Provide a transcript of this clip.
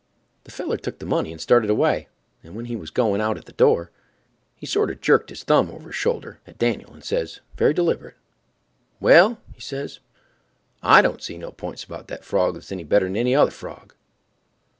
The feller took the money and started away; and when he was going out at the door, he sorter jerked his thumb over his shoulder—so—at Dan'l, and says again, very deliberate, "Well," he says, "I don't see no p'ints about that frog that's any better'n any other frog."